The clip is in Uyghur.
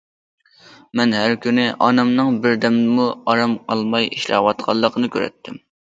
مەن ھەر كۈنى ئانامنىڭ بىر دەممۇ ئارام ئالماي ئىشلەۋاتقانلىقىنى كۆرەتتىم.